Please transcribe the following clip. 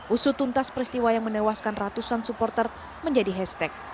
usutuntas peristiwa yang menewaskan ratusan supporter menjadi hashtag